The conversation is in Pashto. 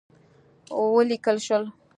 وليکل شول: